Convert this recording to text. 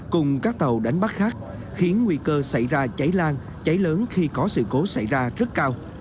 cùng các tàu đánh bắt khác khiến nguy cơ xảy ra cháy lan cháy lớn khi có sự cố xảy ra rất cao